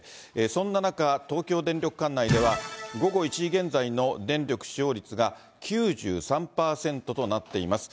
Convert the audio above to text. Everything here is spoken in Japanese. そんな中、東京電力管内では、午後１時現在の電力使用率が９３％となっています。